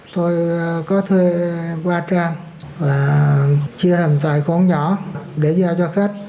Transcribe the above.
tôi có thuê qua trang chia làm vài con nhỏ để giao cho khách